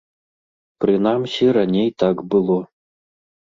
Прынамсі, раней так было.